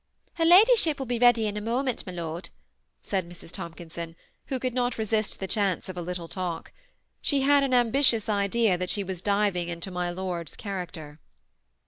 " Her ladyship will be ready in a moment, my lord, said Mrs. Tomkinson, who could not resist the chanee of a little talk. She had an ambitious idea that she was diving into my lord's character.